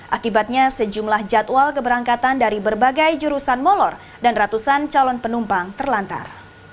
akibatnya sejumlah jadwal keberangkatan dari berbagai jurusan molor dan ratusan calon penumpang terlantar